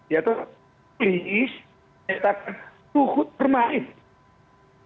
yaitu klinis menetap suhut permainan